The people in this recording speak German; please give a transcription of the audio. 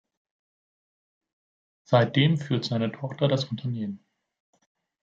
Seitdem führt seine Tochter das Unternehmen.